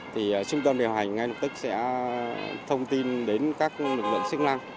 trung tâm điều hành ngay lập tức sẽ thông tin đến các lực lượng